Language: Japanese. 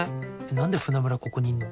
なんで船村ここにいんの？